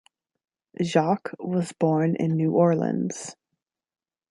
Jacques was born in New Orleans.